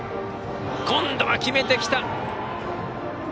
今度は決めてきた。